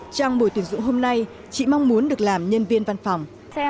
trong buổi tuyển dụng hôm nay chị mong muốn được làm nhân viên văn phòng